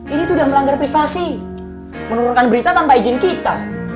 ini tuh udah melanggar privasi menurunkan berita tanpa izin kita